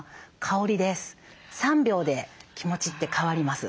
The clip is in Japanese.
３秒で気持ちって変わります。